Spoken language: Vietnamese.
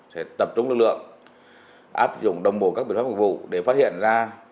sẽ tập trung lực lượng áp dụng đồng bộ các biểu pháp mục vụ để phát hiện ra